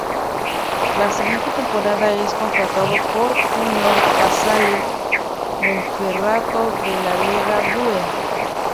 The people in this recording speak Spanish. La siguiente temporada es contratado por Junior Casale Monferrato de la Lega Due.